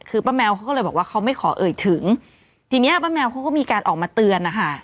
คือป้าแมวเขาก็เลยบอกว่าเขาไม่ขอเอ่ยถึงทีเนี้ยป้าแมวเขาก็มีการออกมาเตือนนะคะ